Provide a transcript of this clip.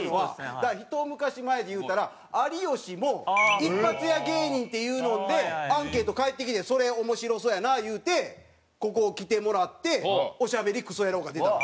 だからひと昔前でいうたら有吉も一発屋芸人っていうのでアンケート返ってきてそれ面白そうやないうてここ来てもらって「おしゃべりクソ野郎」が出たの。